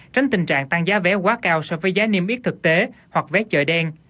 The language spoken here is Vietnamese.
tránh tình trạng tăng giá vé quá cao so với giá niêm yết thực tế hoặc vé chợ đen